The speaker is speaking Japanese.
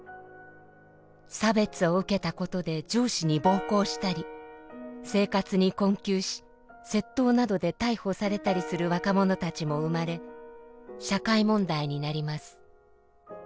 差別を受けたことで上司に暴行したり生活に困窮し窃盗などで逮捕されたりする若者たちも生まれ社会問題になります。